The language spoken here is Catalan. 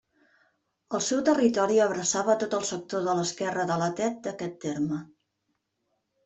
El seu territori abraçava tot el sector de l'esquerra de la Tet d'aquest terme.